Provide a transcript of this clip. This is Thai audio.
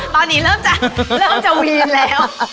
ตอนนี้เริ่มจะวีนแล้ว